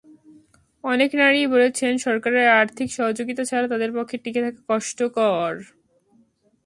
অনেক নারীই বলেছেন, সরকারের আর্থিক সহযোগিতা ছাড়া তাঁদের পক্ষে টিকে থাকা কষ্টকর।